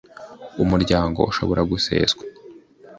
Umuryango ushobora guseswa